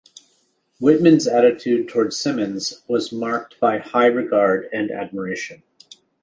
Whitman's attitude toward Symonds was marked by high regard and admiration.